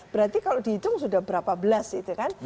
berarti kalau dihitung sudah berapa belas itu kan